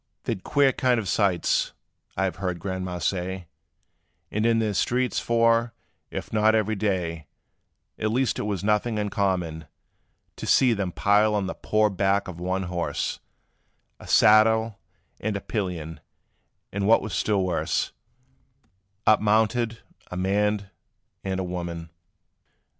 "They 'd queer kind of sights, I have heard Grandma' say, About in their streets; for, if not every day, At least it was nothing uncommon, To see them pile on the poor back of one horse A saddle and pillion; and what was still worse, Up mounted a man and a woman!